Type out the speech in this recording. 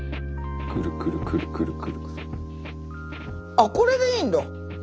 あっこれでいいんだ。